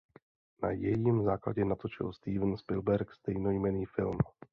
Na jejím základě natočil Steven Spielberg stejnojmenný film.